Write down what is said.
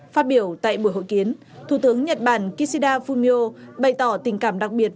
phát biểu tại buổi hội kiến thủ tướng nhật bản kishida fumio bày tỏ tình cảm đặc biệt